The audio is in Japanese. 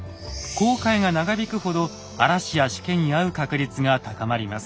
航海が長引くほど嵐やしけに遭う確率が高まります。